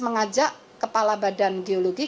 mengajak kepala badan geologi